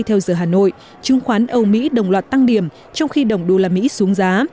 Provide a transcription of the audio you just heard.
theo giờ hà nội chứng khoán âu mỹ đồng loạt tăng điểm trong khi đồng đô la mỹ xuống giá